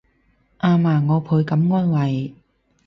阿嫲我倍感安慰